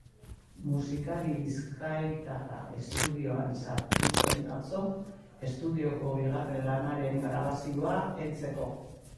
Musikari bizkaitarra estudioan sartu zen atzo, estudioko bigarren lanaren grabazioari heltzeko.